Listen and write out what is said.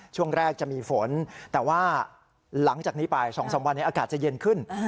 ช่วงแรกจะมีฝนแต่ว่าหลังจากนี้ไป๒๓วันนี้อากาศจะเย็นขึ้น